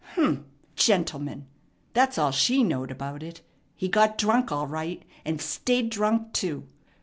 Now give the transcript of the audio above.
Humph! Gentlemen! That's all she knowed about it. He got drunk all right, and stayed drunk, too.